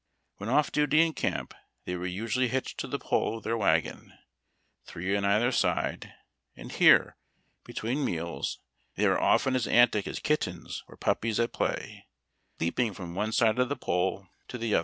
When off duty in camp, they were usually hitched to the pole of their wagon, three on either side, and here, between meals, they were often as antic as kittens or puppies at play, leaping from one side of the pole to the THE ARMY MULE.